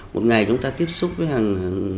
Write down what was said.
một ngày chúng ta tiếp xúc với hàng